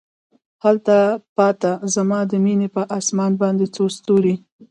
هلته پاته زما د میینې په اسمان باندې څو ستوري